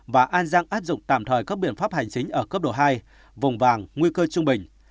và an giang áp dụng tạm thời các biện pháp hành chính ở cấp độ hai vùng vàng nguy cơ trung bình